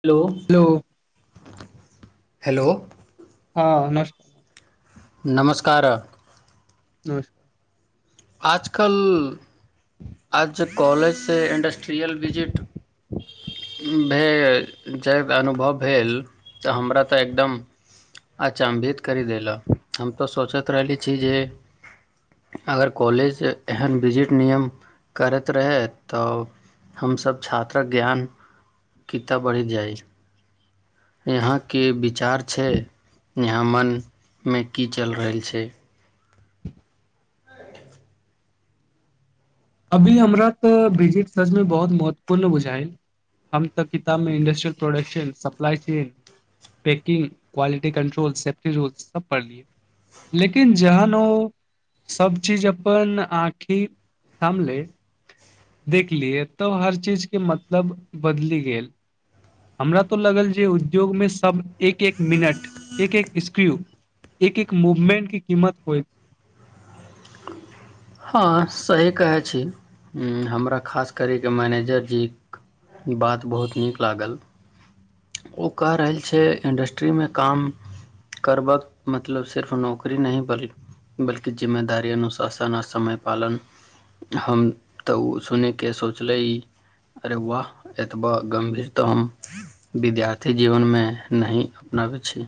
Hello hello hello हँ न नमस्कार नमस्कार आजकल आज कॉलेज से इंडट्री रियल विजिट भेल ज अनुभव भेल तऽ हमरा तऽ एकदम अचम्भित करि देलक हम तऽ सोचैत रहली छी जे अगर कॉलेज एहन विजिट नियम करैत रहै तऽ हमसभ छात्रक ज्ञान कितऽ बढ़ि जाइ यहाँके विचार छै यहाँ मनमे की चलि रहल छै आर अभी हमरा तऽ बिजिट सचमे बहुत महत्वपूर्ण बुझाायल हम तऽ किताबमे industrial production supply chain packing quality control safety rules सब पढ़लियै लेकिन जहन ओ सब चीज अपन आँखि सामले देखलियै तब हर चीजके मतलब बदलि गेल हमरा तो लगल जे उद्योगमे सब एक एक मिनट एक एक स्क्रू एक एक मूवमेंट क कीमत होइ छै हँ सही कहै छी हमरा खास करयके मैनेजरजीक बात बहुत नीक लागल ओ क रहल छै इंडस्ट्रीमे काम करबाकक मतलब सिर्फ नौकरी नहि बल बल्कि जिम्मेदारी अनुशासन आ समय पालन हम तऽ ओ सुन कऽ सोचलै ई अरे वाह एतबा गम्भीर तऽ हम विद्यार्थी जीवनमे नहि अपनाबै छी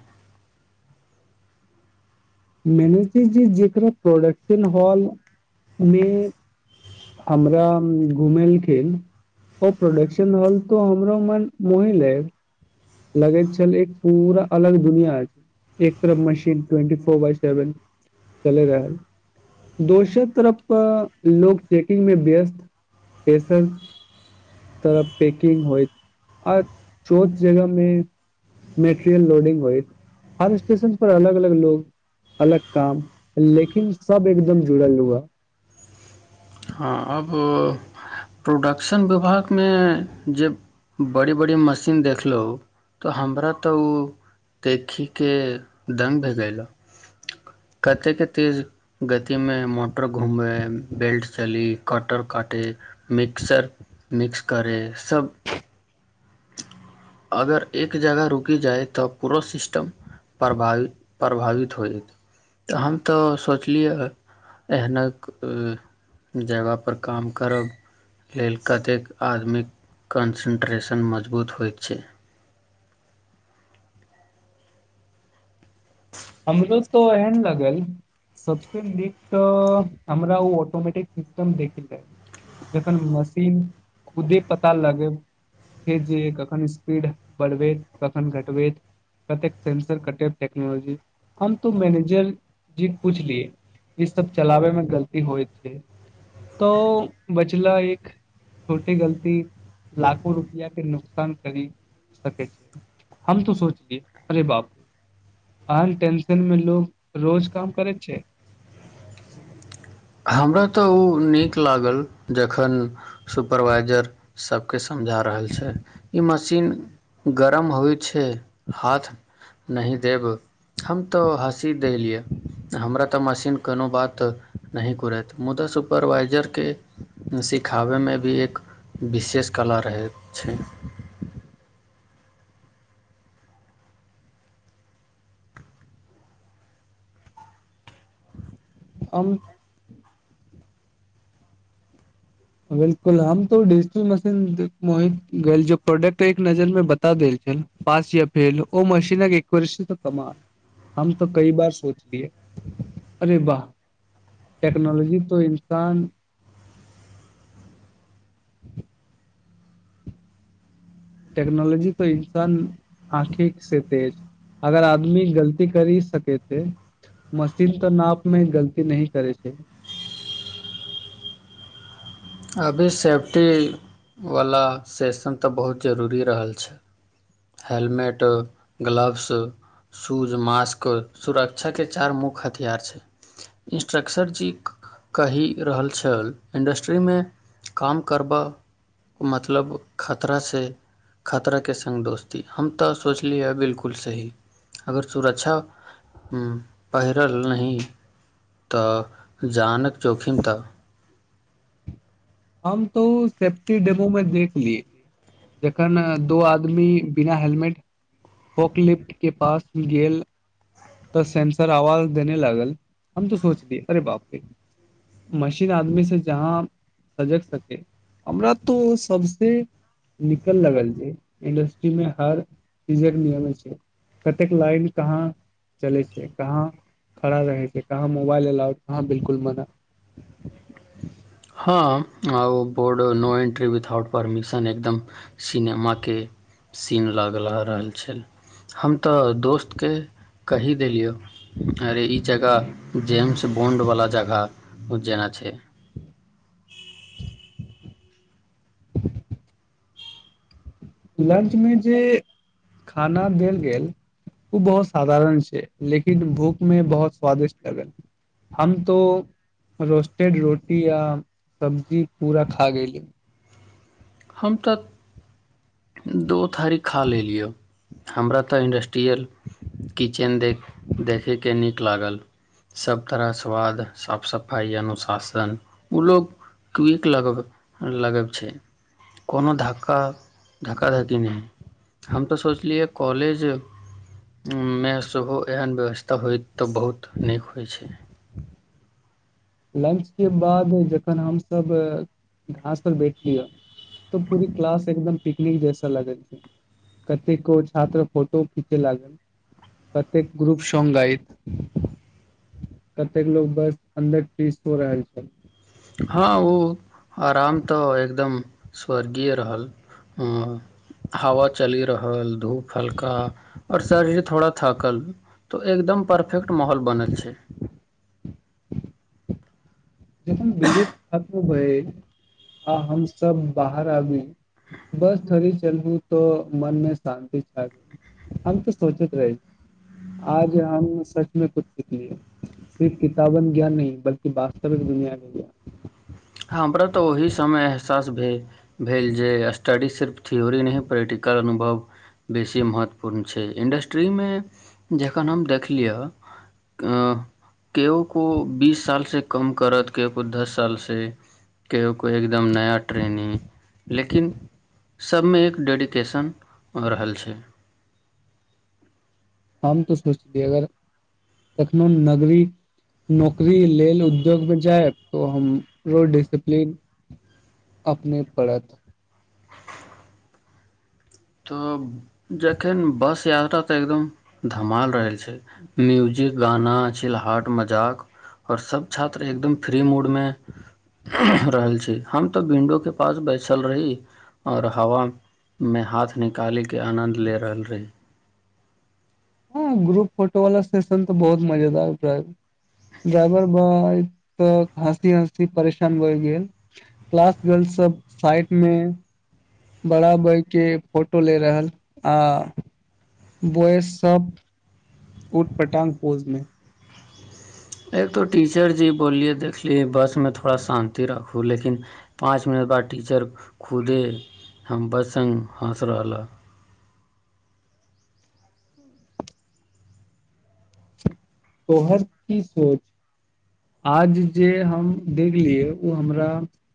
मैने जे जेकरा प्रोडक्शन हॉल व हमरा घुमेलखिन ओ प्रोडक्शन हॉल तो हमरो मन मोहिले लगैत छल एक पूरा अलग दुनिया एक तरफ मशीन ट्वेंटी फोर ब सेवन चल रहल दोसर तरफ लो चेकिंग मे व्यस्त तेसर तरफ चेकिंग होइत आो जगह मे मेटेरियल लोडिंग होई हर स्टेशन पर अलग अलग लोग अलग काम लेकिन सब एकदम जुड़ल हुआ हँ आब प्रोडक्शन विभागमे जे बड़ी बड़ी मशीन देखलहुँ तऽ हमरा तऽ ओ देखीके द् भीगलक कतेकके तेज गतिमे मोट र घूमेमे बेल्ट क क म म अगर एक जगह रुकि जाय तऽ पूरा सिस्टम प्रभावित होत तऽ हम तऽ सोचलियै एहने जगह पर काम करब लेल कतेक आदमीके कन्सेन्ट्रेशन मज मजबूत होइत छै हमरो तऽ एहन लगल सबस नीक तऽ हमरा ओ ऑटोमेटिक सिस्टम देख जखन मशीन खुदे पता लगे छै जे कखन स्पीड बढ़बैत कखन घटबैत कतेक सेंसर कटेब टेक्नोलॉजी हम तो मैनेजर जीक पुछलियै ईसभ चलाबैमे गलती होइत छै तऽ बचला एक छोटी गलती लाखो रुपआके नुकसान करि सकै छै हम तो सोचलियै अरे बाप रे आन टेंशन मे लोग रोज काम करैत छै हमरा तऽ ओ नीक लागल जखन सुपरवाइजर सबके समझा रहल छै ई मशीन गरम होइत। छैे हाथ नहिह देब हम तऽ हँसी देलियै हमरा तऽ मशीन कोनो बात नही कुरत मुदा सुपरवाइजरके सिखाबयमे भी एक विशेष कला रहै छै। हम। बिलकुल हम तो डिजिटल मशीन मोहित गेल प्रोडक्ट एक नजरमे बता देल छल पास या फेल ओ मशीन एक कमाल हम तो कई बार सोचलियै अरे वाह टेक्नोलॉजी तो इन्सान। टेक्नोलॉजी तो इन्सान आँखि से तेज अगर आदमी गलती करी सकै छैे मशीन तऽ नाप मे गलती नही करै छै। अभी सेफ्टीवला सेशन तऽ बहुत जरूरी रहल छै हेलमेट ग्लव्स शूज मास्क सुरक्षाके चारि मुख्य हथियार छै इंस्ट्रक्टर जी कहि रहल छल इंडस्ट्रीमे। काम करबा मतलब खतरा से खतर के सङ्ग दोस्ती हम तऽ सोचलियै बिलकुल सही अगर सुरक्षा पहिरल नही तऽ जानक जोखिम तऽ। हम तो ओ सेफ्टी डेमो मे देख लिय जखन दो आदमी बिना हेलमेट पॉकलिफ्ट के पास गेल तऽ सेंसर आवाज देने लागल हम तो सोचली अरे बाप रे मशीन आदमी से जहाँ सजग सक हमरा तो सबसे निकल लागल जे इंडस्ट्री मे हर चीजक नियम छै कतेक लाइन कहाँ। चलै छै कहाँ खड़ा रहै छै कहाँ मोबाइल एलाा कहाँ बिलकुल मना। हाम आउ board no entry without. Permission एकदम सिनेमाके सीन लगला रहल छल हम तऽ दोस्तके कहि देलियै। अरे ई जगह जेम्स बोंड वला जगह। उज्जैना छै। ह लंच मे जे खाना देल गेल ओ बहुत साधारण छै लेकिन भूख मे बहुत स्वादिष्ट लगल हम तो रोस्टेड रोटी या सब्जी पूरा खा गेली। हम तऽ दो थारी खा लेलियऽ हमरा तऽ इंडस्ट्रियल किचेन देख देखैके नीक लागल सब तरह स्वाद साफ सफाइ अनुशासन ओ लोग किक लग लगैत छै। कोनो धक्का धक्काधक्की नहि हम तऽ सोचलियै कॉलेजमे सेहो एहन व्यवस्था होइत तऽ बहुत नीक होइ छै। लंच के बाद जखन हमस घास पर बैठलिय तऽ पूरी क्लास एकदम पिकनिक जैसे लागल छै कतेक गो छात्र फोटो खींचे लागल कतेक ग्रुप सॉग आय कतेक लोग बस अन्दर फीस हो रहल छै। हँ ओ आराम तऽ एकदम स्वर्गीय रहल हवा चलि रहल धूप हल्का आओर शरीर थोड़ा थकल तऽ एकदम परफेक्ट माहौल बनल छै। जखन बिजी खत्म होए आ हम सब बाहर आबी बस थोड़ी चलू तो मन मे शान्ति छाग हम तऽ सोचैत रही आज हम सचमें कुछ सिखलियै सिर्फ किताबन ज्ञान न बल्ि व्त। सब दुनिआके। हमरा तऽ ओह समय एहसास भेल भेल जे स्टडी सिर्फ थ्योरी नहि प्रैक्टिकल अनुभव बेसी महत्वपूर्ण छै इंडस्ट्रीमे जखन हम देख लिअ केओ के बीस सालसँ कम करत केओ कोइ दस सालसँ। कहियओ कोइ एकदम नया ट्रेनिंग लेकिन सभमे एक डेडीकेशन हो रहल छै। हम तो सोचलिय अगर कखनो नगरी नौकरी लेल उद्योग मे जाय तो हमरो डिसिप्लन अपने पड़त। तऽ जखन बस यात्रा तऽ एकदम धमाल रहै। छै मयूज जी गाना छिलहट मजाक और सब छात्र एकदम फ्री मूड मे रहल छी हम तो विंडो के पास बैसल रही और हवा में हाथ। कखनी काले के आनन्द ले रहल रही हँ ग्रुप फोटो वाला सेशन तऽ बहुत मजेदार ाव ड्राइवर ब तऽ हँसी हसी परेशान भए गेल क्लास गर्ल सब साइड मे बड़ा बइ के फोटो ले रहल आ बोय सब उट पटांग पोज मे। एक तऽ टीचर जी बोललियै देखलियी बसमे थोड़ा शान्ति राखू लेकिन पाँच मिनट बाद टीचर खुदे हम बस सङ्ग हँस रहल ह। तोहर की सोच आज जे हम देखलियै ओ हमरा।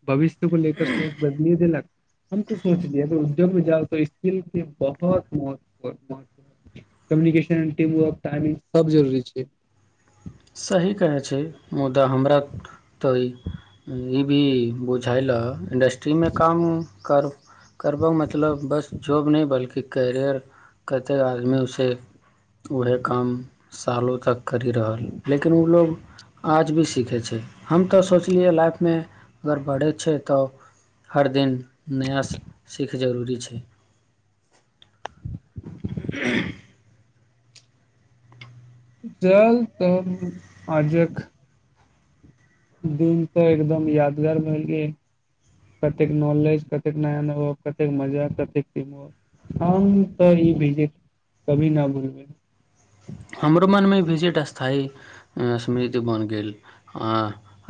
भविष्य को लर सोच बदलिए देलक। हम तो सोचलिय अगर उद्योगमे जाउ त स्किलके बहुत म महत कम्युनिकेशन टीम वर्क टाइमिंग। सब जरूरी छै। सही कहै छै मुदा हमरा तऽ ई भी बुझायलए। इंडस्ट्रीमे काम कर करबबाक मतलब बस जॉब नहि बल्कि कैियर कतेक आदमी उे उएह काम सालो तक करि रहल लेकिन ओ लोग आज भी सीखै छै हम तऽ सोचलियै लाइफमे अगर बढ़ै छै तऽ हर दिन नया सीख जरूरी छै [unintelligible] चल तऽ अजक दिन तऽ एकदम यादगार भेल कतेक नॉलेज कतेक नया नया कतेक मजा कतेक हम तऽ ई विजिट कभी न भुलबै हमरो मनमे ई विजिट स्थायी समिति बनि गेल आ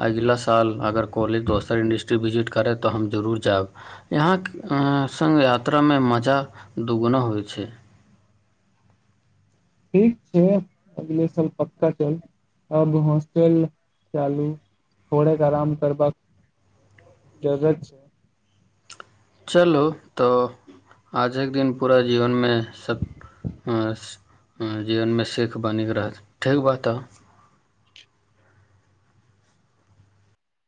अगिला साल अगर कॉलेज दोसर इंडर्स्ट्री विजिट करय तऽ हम जरूर जायब यहाँ सङ्ग यात्रामे मजा दुूगुना होइ छै ठीक छै अगले साल पक्का चल अब हॉस्टल चालू थोड़े आराम करबाक जररत छै चलू तऽ आजके दिन पूरा जीवनमे जीवनमे सीख बन क रहत ठीक बात ह